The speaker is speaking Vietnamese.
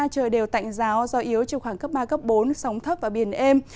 trời đều tạnh ráo do yếu trường khoảng cấp ba cấp bốn sống thấp và biển êm